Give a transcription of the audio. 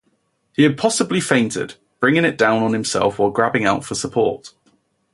He had possibly fainted, bringing it down on himself while grabbing out for support.